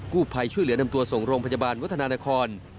ผู้ภัยช่วยเหลือนำตัวส่งโรงพยาบาลวัฒนานคร